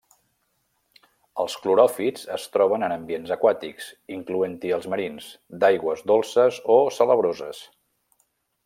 Els cloròfits es troben en ambients aquàtics, incloent-hi els marins, d'aigües dolces o salabroses.